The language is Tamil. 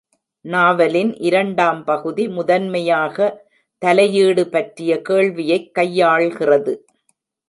நாவலின் இரண்டாம் பகுதி முதன்மையாக தலையீடு பற்றிய கேள்வியைக் கையாள்கிறது.